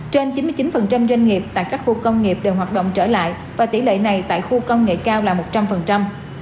trên chín mươi chín doanh nghiệp tại các khu công nghiệp đều hoạt động trở lại và tỷ lệ này tại khu công nghệ cao là một trăm linh